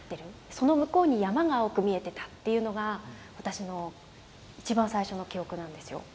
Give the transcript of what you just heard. その向こうに山が青く見えてたっていうのが私の一番最初の記憶なんですよ。